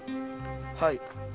はい。